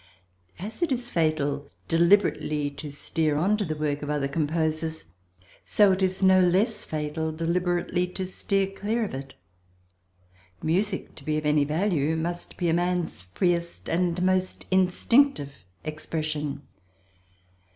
As it is fatal deliberately to steer on to the work of other composers, so it is no less fatal deliberately to steer clear of it; music to be of any value must be a man's freest and most instinctive expression.